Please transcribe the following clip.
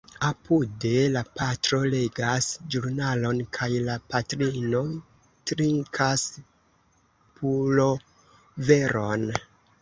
Apude, la patro legas ĵurnalon kaj la patrino trikas puloveron...